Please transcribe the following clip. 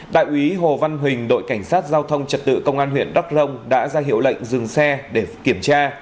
đại úy hồ văn huỳnh đội cảnh sát giao thông trật tự công an huyện đắk rông đã ra hiệu lệnh dừng xe để kiểm tra